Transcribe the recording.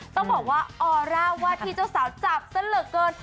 ต้องบอกว่าออร่าว่าที่เจ้าสาวจับซะเหลือเกิน